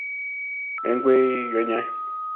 元龟元年。